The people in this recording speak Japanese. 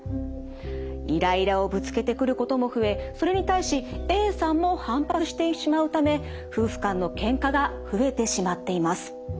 イライラをぶつけてくることも増えそれに対しＡさんも反発してしまうため夫婦間のけんかが増えてしまっています。